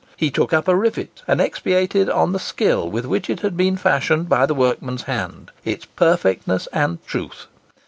He took up a rivet, and expatiated on the skill with which it had been fashioned by the workman's hand—its perfectness and truth.